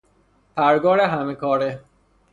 پرگار همه کاره